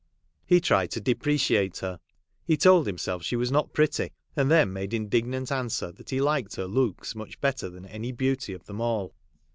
He tried to depre ciate her ; he told himself she was not pretty, and then made indignant answer that he liked her looks much better than any beauty of them all.